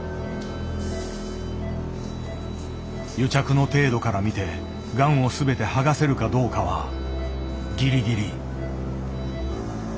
癒着の程度から見てがんを全て剥がせるかどうかはギリギリ。